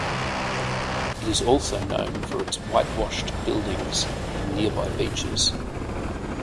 It is also known for its whitewashed buildings and nearby beaches.